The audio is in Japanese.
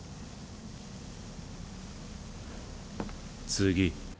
次。